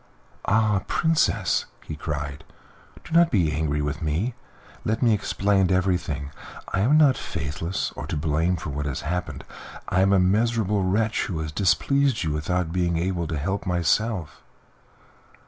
"Ah! Princess," he cried, "do not be angry with me. Let me explain everything. I am not faithless or to blame for what has happened. I am a miserable wretch who has displeased you without being able to help himself."